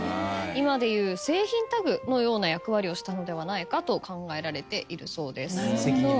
今でいう製品タグのような役割をしたのではないかと考えられているそうです。